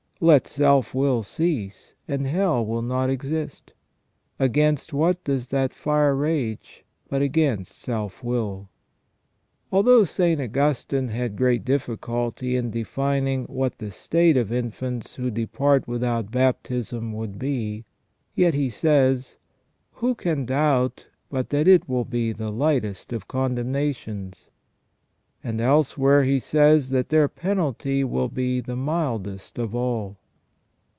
Let self will cease, and hell will not exist. Against what does that fire rage, but against self will ?" Although St. Augustine had great difficulty in defining what the state of infants who depart without baptism would be, yet he says :" Who can doubt but that it will be the lightest of condemnations ?"* And elsewhere he says that their penalty will be " the mildest of all